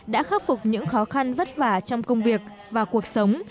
đã khắc phục những khó khăn vất vả trong công việc và cuộc sống